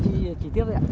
chị chị chị tiếp đi ạ